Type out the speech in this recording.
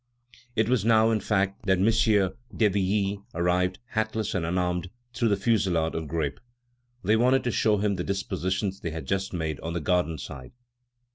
It was now, in fact, that M. d'Hervilly arrived, hatless and unarmed, through the fusillade of grape. They wanted to show him the dispositions they had just made on the garden side.